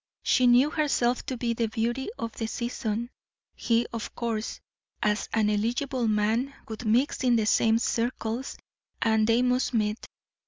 She knew herself to be the beauty of the season; he, of course, as an eligible man, would mix in the same circles, and they must meet.